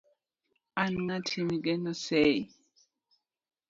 an ng'ati migeno sei